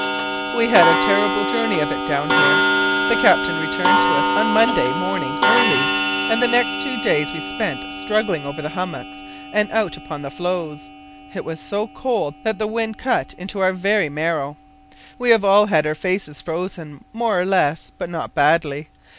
"We had a terrible journey of it down here. The captain returned to us on Monday morning early, and the next two days we spent struggling over the hummocks and out upon the floes. It was so cold that the wind cut into our very marrow. We have all had our faces frozen, more or less, but not badly.